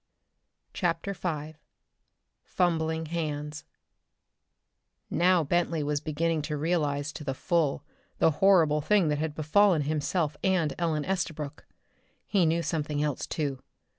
CHAPTER V Fumbling Hands Now Bentley was beginning to realize to the full the horrible thing that had befallen himself and Ellen Estabrook. He knew something else, too.